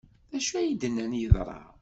D acu ay d-nnan yeḍra?